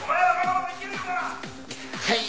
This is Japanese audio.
はい。